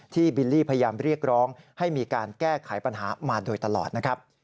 บิลลี่พยายามเรียกร้องให้มีการแก้ไขปัญหามาโดยตลอดนะครับ